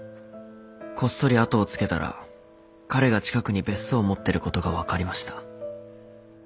こっそり後をつけたら彼が近くに別荘を持ってることが分かりました。